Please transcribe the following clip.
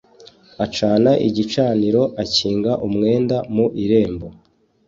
Acana igicaniro, akinga umwenda mu irembo